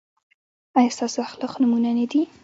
ایا ستاسو اخلاق نمونه نه دي؟